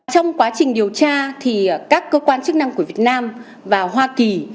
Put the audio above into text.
trong quá trình điều tra thì các cơ quan chức năng của việt nam và hoa kỳ